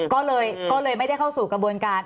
ก็เลยไม่ได้เข้าสู่กระบวนการ